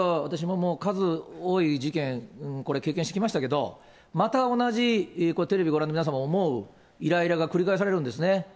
もう、数多い事件、これ、経験してきましたけど、また同じ、テレビご覧になってる皆さんも思ういらいらが繰り返されるんですね。